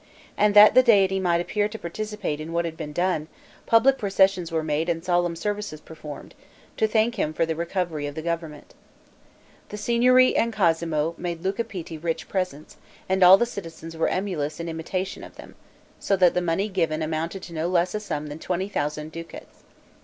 And that the Deity might appear to participate in what had been done, public processions were made and solemn services performed, to thank him for the recovery of the government. The Signory and Cosmo made Luca Pitti rich presents, and all the citizens were emulous in imitation of them; so that the money given amounted to no less a sum than twenty thousand ducats.